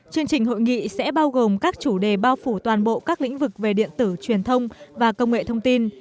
chương trình hội nghị sẽ bao gồm các chủ đề bao phủ toàn bộ các lĩnh vực về điện tử truyền thông và công nghệ thông tin